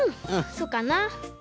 そうかな？